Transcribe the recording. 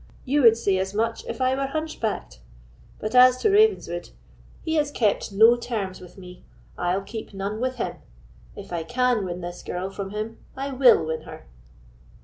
You would say as much if I were hunch backed. But as to Ravenswood—he has kept no terms with me, I'll keep none with him; if I can win this girl from him, I will win her."